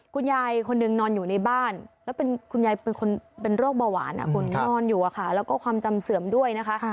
คุณยายคนหนึ่งนอนอยู่ในบ้านแล้วคุณยายเป็นคนเป็นโรคเบาหวานคุณนอนอยู่แล้วก็ความจำเสื่อมด้วยนะคะ